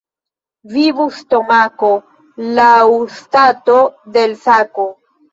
Vivu stomako laŭ stato de l' sako.